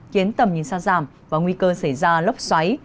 khiến tầm nhìn xa giảm và nguy cơ xảy ra lốc xoáy